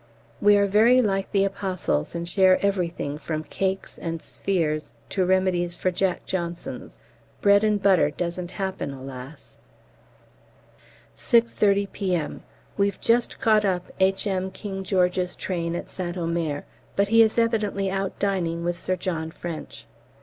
We are very like the apostles, and share everything from cakes and 'Spheres' to remedies for "Jack Johnsons." Bread and butter doesn't happen, alas! 6.30 P.M. We've just caught up H.M. King George's train at St Omer, but he is evidently out dining with Sir John French.